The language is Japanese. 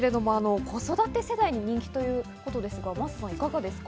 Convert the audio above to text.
子育て世代に人気ということですが真麻さんいかがですか？